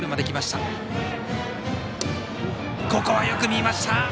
ここはよく見ました。